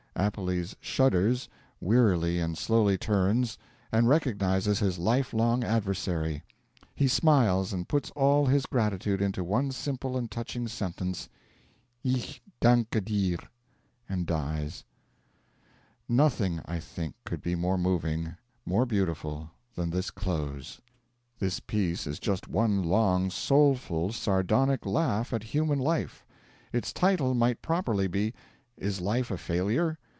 Appelles shudders, wearily and slowly turns, and recognises his life long adversary. He smiles and puts all his gratitude into one simple and touching sentence, 'Ich danke dir,' and dies. Nothing, I think, could be more moving, more beautiful, than this close. This piece is just one long, soulful, sardonic laugh at human life. Its title might properly be 'Is Life a Failure?'